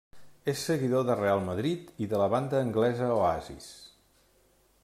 És seguidor de Real Madrid i de la banda anglesa Oasis.